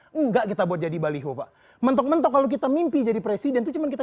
enggak kita buat jadi baliho pak mentok mentok kalau kita mimpi jadi presiden tuh cuman kita